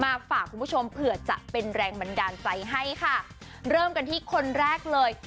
มาฝากคุณผู้ชมเผื่อจะเป็นแรงบันดาลใจให้ค่ะเริ่มกันที่คนแรกเลย